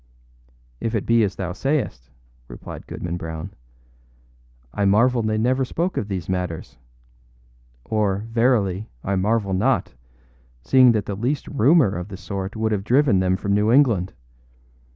â âIf it be as thou sayest,â replied Goodman Brown, âI marvel they never spoke of these matters; or, verily, I marvel not, seeing that the least rumor of the sort would have driven them from New England.